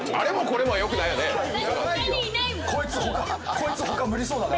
「こいつ他無理そうだな」